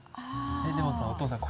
えっでもさお父さん